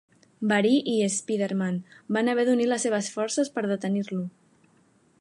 Verí i Spiderman van haver d'unir les seves forces per detenir-lo.